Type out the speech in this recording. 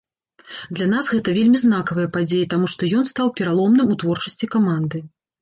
Для нас гэта вельмі знакавая падзея, таму што ён стаў пераломным у творчасці каманды.